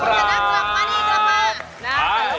ขอบคุณนะครับขอบคุณนะครับขอบคุณนะครับ